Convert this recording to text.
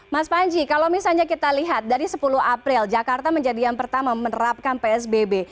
mas panji kalau misalnya kita lihat dari sepuluh april jakarta menjadi yang pertama menerapkan psbb